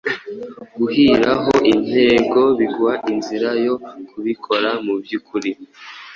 Guhiraho intego biguha inzira yo kubikora mubyukuri